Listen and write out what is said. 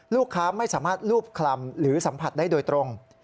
ลูกค้าไม่สามารถรูปคลำหรือสัมผัสได้โดยตรง